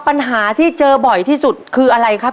ปัญหาที่เจอบ่อยที่สุดคืออะไรครับ